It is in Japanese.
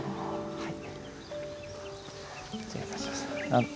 はい。